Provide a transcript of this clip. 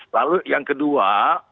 lalu yang kedua